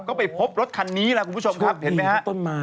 ก็ไปพบรถคันนี้แหละคุณผู้ชมครับเห็นไหมฮะต้นไม้